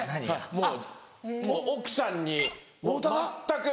もう奥さんに全く。